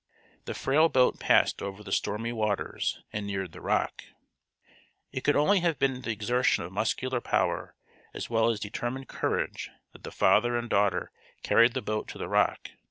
The frail boat passed over the stormy waters and neared the rock. It could only have been by the exertion of muscular power as well as determined courage that the father and daughter carried the boat to the rock.